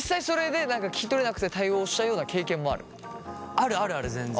あるあるある全然。